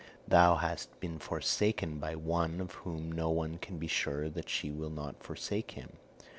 Thou hast been forsaken by one of whom no one can be sure that she will not forsake him.